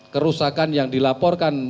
kerusakan yang dilaporkan